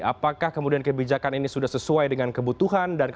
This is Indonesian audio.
apakah kemudian kebijakan ini sudah sesuai dengan kebutuhan